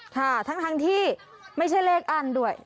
ค่ะทั้งที่ไม่ใช่เลขอั้นด้วย